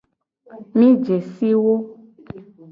Mi je si wo.